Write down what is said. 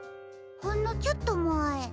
ほんのちょっとまえ。